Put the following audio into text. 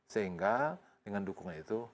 sehingga dengan dukungan itu